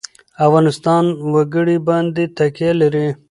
افغانستان په وګړي باندې تکیه لري.